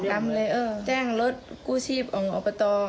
ดำเลยเออแจ้งลดกู้ชีพออกสัตว์